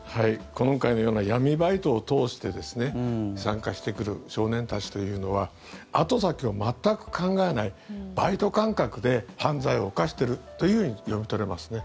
今回のような闇バイトを通して参加してくる少年たちというのは後先を全く考えないバイト感覚で犯罪を犯しているというふうに読み取れますね。